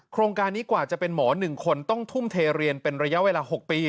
โครงการนี้กว่าจะเป็นหมอ๑คนต้องทุ่มเทเรียนเป็นระยะเวลา๖ปี